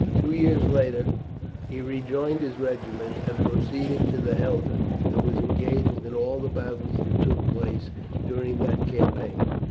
Two years later he rejoined his regiment and proceeded to the Helder, and was engaged in all the battles that took place during that campaign.